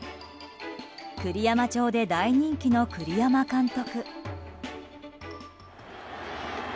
栗山町で大人気の栗山監督。